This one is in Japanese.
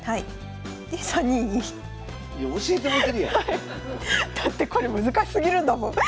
だってこれ難しすぎるんだもん。